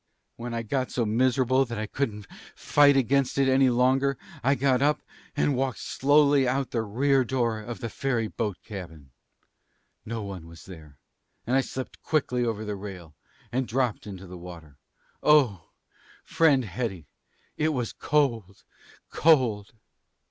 "When I got so miserable that I couldn't fight against it any longer, I got up and walked slowly out the rear door of the ferry boat cabin. No one was there, and I slipped quickly over the rail and dropped into the water. Oh, friend Hetty, it was cold, cold!